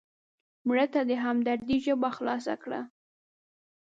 مړه ته د همدردۍ ژبه خلاصه کړه